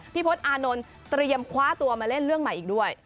พฤษอานนท์เตรียมคว้าตัวมาเล่นเรื่องใหม่อีกด้วย